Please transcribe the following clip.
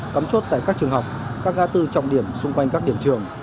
cấm chốt tại các trường học các gia tư trọng điểm xung quanh các điểm trường